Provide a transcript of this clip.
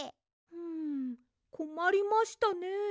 んこまりましたね。